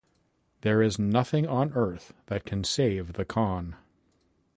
There is nothing on earth that can save the Khan.